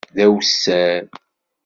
D awessar.